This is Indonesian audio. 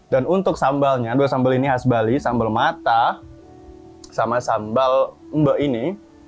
dan untuk sambalnya dua sambal ini khas bali sambal mata sama sambal mba ini